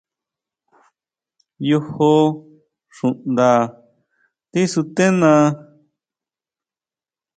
Yojó xunda tisutena.